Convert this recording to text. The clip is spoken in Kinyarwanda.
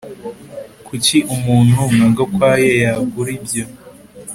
Kuki umuntu nka Gakwaya yagura ibyo